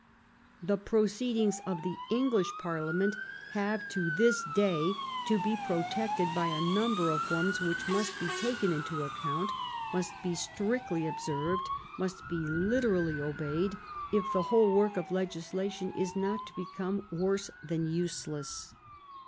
The proceedings of the English Parliament have, to this day, to be protected by a number of forms which must be taken into account, must be strictly observed, must be literally obeyed, if the whole work of legislation is not to become worse than useless.